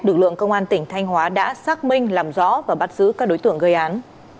lực lượng công an tỉnh thanh hóa đã xác minh làm rõ và bắt giữ các đối tượng gây án